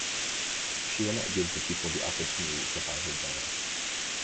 She will not give to people the opportunity to find her generous.